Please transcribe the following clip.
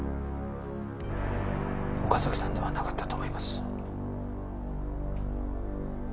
岡崎さんではなかったと思います。